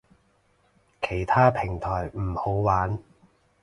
其他平台唔好玩